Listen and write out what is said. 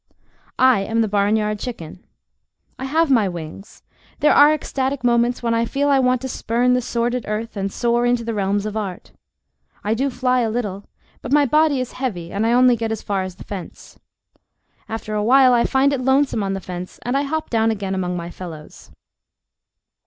I am the barnyard chicken. I have my wings. There are ecstatic moments when I feel I want to spurn the sordid earth and soar into the realms of art. I do fly a little, but my body is heavy, and I only get as far as the fence. After a while I find it lonesome on the fence, and I hop down again among my fellows.